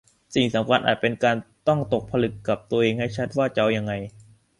สิ่งสำคัญอาจเป็นการต้องตกผลึกกับตัวเองให้ชัดว่าจะเอายังไง